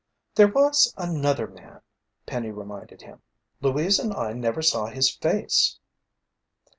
"There was another man," Penny reminded him. "Louise and I never saw his face."